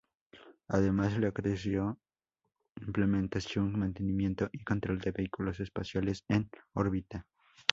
Además la creación, implementación, mantenimiento y control de vehículos espaciales en órbita.